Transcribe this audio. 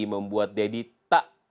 membuat deddy terlalu berharga